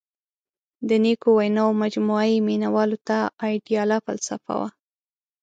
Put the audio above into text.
• د نیکو ویناوو مجموعه یې مینوالو ته آیډیاله فلسفه وه.